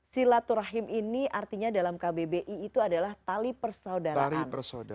silaturahim ini artinya dalam kbbi itu adalah tali persaudaraan